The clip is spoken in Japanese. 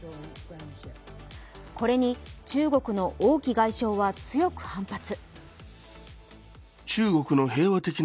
これに中国の王毅外相は強く反発。